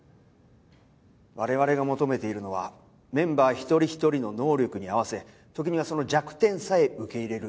我々が求めているのはメンバー一人一人の能力に合わせ時にはその弱点さえ受け入れるリーダーです。